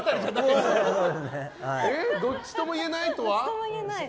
どっちとも言えないとは？